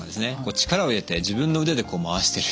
力を入れて自分の腕で回してる人。